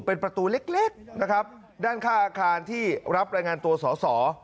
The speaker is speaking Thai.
เป็นประตูเล็กนะครับด้านข้างอาคารที่รับรายงานตัวสอสอ